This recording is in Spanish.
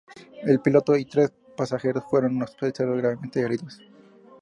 El piloto y tres pasajeros fueron hospitalizados gravemente heridos.